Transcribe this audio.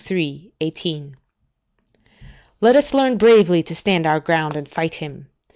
18] let us learn bravely to stand our ground, and fight him.